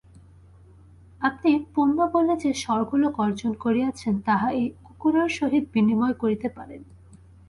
আপনি পুণ্যবলে যে স্বর্গলোক অর্জন করিয়াছেন, তাহা এই কুকুরের সহিত বিনিময় করিতে পারেন।